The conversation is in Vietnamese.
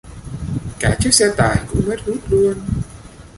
Cả chiếc xe tải cũng mất hút luôn